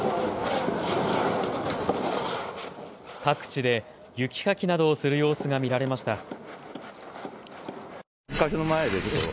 各地で雪かきなどをする様子が見られました。